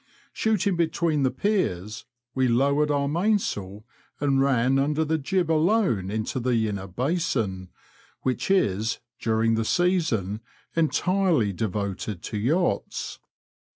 Shooting between the piers, we lowered our mainsail and ran under the jib alone to the Inner Basin, which is, during the season, entirely devoted to yachts.